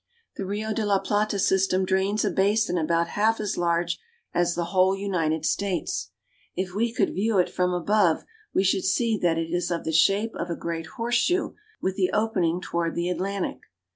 The Rio de la Plata system drains a basin about half as large as the whole United States. If we could view it from above we should see that it is of the shape of a great horseshoe, with the opening toward the Atlantic.